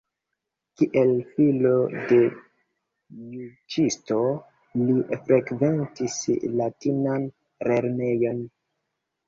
Kiel filo de juĝisto li frekventis latinan lernejon.